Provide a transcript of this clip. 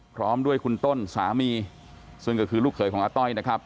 พร้อมด้วยคุณต้นสามีซึ่งก็คือลูกเขยของอาต้อยนะครับ